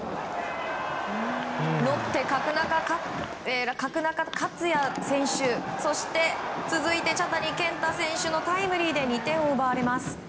ロッテ、角中勝也選手続いて、茶谷健太選手のタイムリーで２点を奪われます。